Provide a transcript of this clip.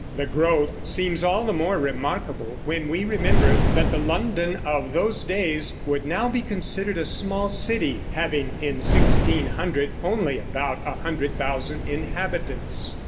The growth seems all the more remarkable when we remember that the London of those days would now be considered a small city, having (in 1600) only about a hundred thousand inhabitants.